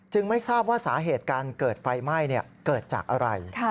ไม่ทราบว่าสาเหตุการเกิดไฟไหม้เกิดจากอะไร